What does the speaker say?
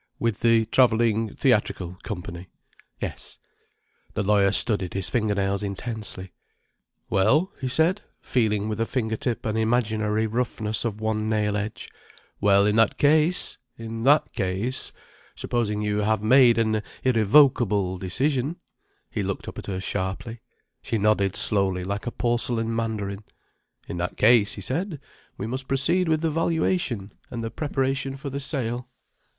"With the travelling theatrical company?" "Yes." The lawyer studied his finger nails intensely. "Well," he said, feeling with a finger tip an imaginary roughness of one nail edge. "Well, in that case—In that case—Supposing you have made an irrevocable decision—" He looked up at her sharply. She nodded slowly, like a porcelain mandarin. "In that case," he said, "we must proceed with the valuation and the preparation for the sale."